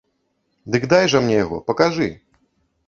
Дык дай жа мне яго, пакажы!